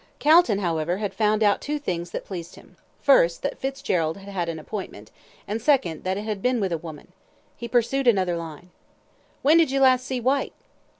Calton, however, had found out two things that pleased him; first, that Fitzgerald had an appointment, and, second that it had been with a woman. He pursued another line. "When did you last see Whyte!"